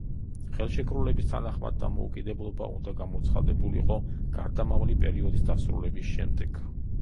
ხელშეკრულების თანახმად დამოუკიდებლობა უნდა გამოცხადებულიყო გარდამავალი პერიოდის დასრულების შემდეგ.